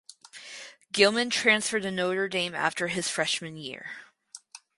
Gilman transferred to Notre Dame after his freshman year.